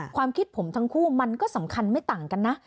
ความคิดผมทั้งคู่มันก็สำคัญไม่ต่างกันนะ